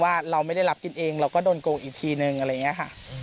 รู้สึกว่าเราไม่ได้รับกินเองเราก็โดนโกงอีกทีนึงอย่างค่ะ